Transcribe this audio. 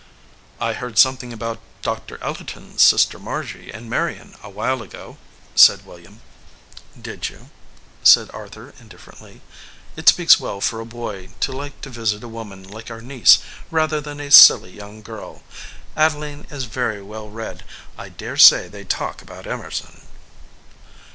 "I heard something about Doctor Ellerton s sis ter Margy and Marion a while ago," said William. "Did you?" said Arthur indifferently. "It speaks well for a boy to like to visit a woman like our niece rather than a silly young girl. Adeline 58 * THE VOICE OF THE CLOCK is very well read. I dare say they talk about Emer son."